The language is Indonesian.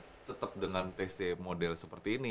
kalau tetep dengan tc model seperti ini